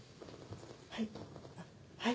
はい。